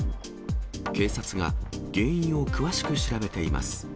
警察が原因を詳しく調べています。